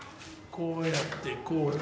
こうやってこう。